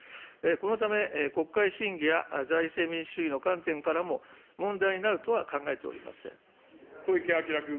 このため、国会審議や財政民主主義の観点からも、問題になるとは小池晃君。